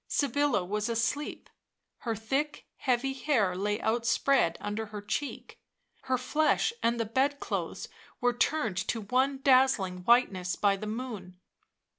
Sybilla was asleep ; her thick, heavy hair lay outspread under her cheek; her flesh and the bed clothes were turned to one dazzling whiteness by the moon.